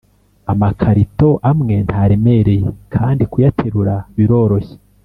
Amakarito amwe ntaremereye kandi kuyaterura biroroshye